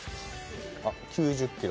あっ９０キロ。